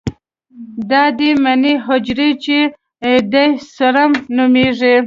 دا د مني حجرې چې دي سپرم نومېږي.